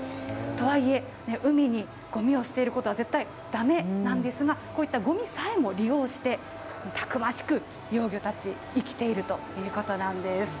とはいえ、海にごみを捨てることは絶対だめなんですが、こういったごみさえも利用して、たくましく幼魚たち生きているということなんです。